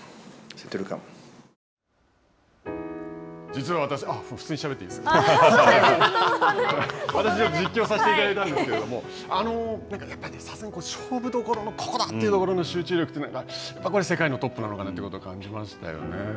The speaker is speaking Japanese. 実は私、実況させていただいたんですけど、やっぱりさすがに勝負どころのここだというところの集中力というのが、やっぱりこれ、世界のトップなのかなということを感じましたよね。